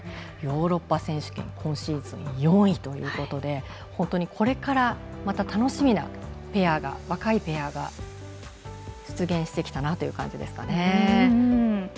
ヨーロッパ選手権今シーズン４位ということで本当にこれからまた楽しみな若いペアが出現したきたという感じですかね。